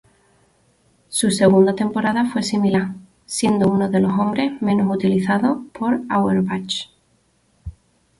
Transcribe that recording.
Su segunda temporada fue similar, siendo uno de los hombres menos utilizados por Auerbach.